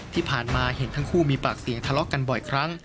ที่ผ่านมาเห็นทั้งคู่มีปากเสียงทะเลาะกันบ่อยครั้ง